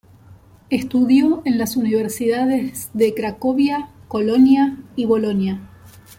Estudió en las universidades de Cracovia, Colonia y Bolonia.